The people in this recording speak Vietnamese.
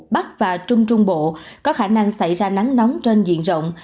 bắc và trung trung bộ có khả năng xảy ra nắng nóng trên diện rộng